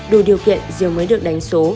đủ điều kiện diều mới được đánh số